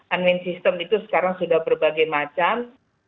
unwayn system itu sekarang sudah berbagai macam